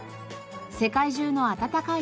世界中の温かい海